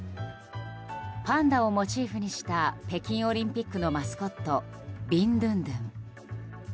パンダをモチーフにした北京オリンピックのマスコットビンドゥンドゥン。